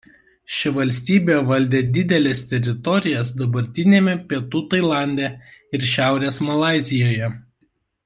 Ši valstybė valdė dideles teritorijas dabartiniame Pietų Tailande ir šiaurės Malaizijoje.